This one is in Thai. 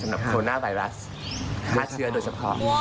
สำหรับโคโรนาไบรัสแม้เชื้อโดยเฉพาะ